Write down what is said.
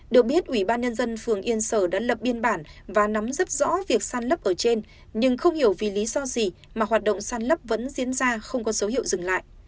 được biết ủy ban nhân dân phường yên sở đã lập biên bản và nắm rất rõ việc san lấp ở trên nhưng không hiểu vì lý do gì mà hoạt động săn lấp vẫn diễn ra không có dấu hiệu dừng lại